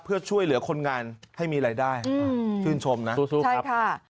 เพื่อช่วยเหลือคนงานให้มีรายได้ชื่นชมนะสู้ครับ